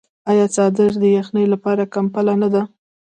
آیا څادر د یخنۍ لپاره کمپله نه ده؟